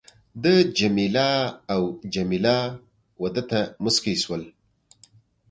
ده جميله او جميله وه ده ته مسکی شول.